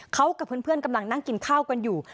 เขากับเพื่อนกำลังนั่งกินข้าวกันอยู่